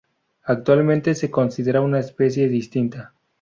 Actualmente se considera una especie distinta.